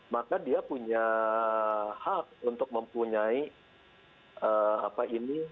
maka dia punya hak untuk mempunyai apa ini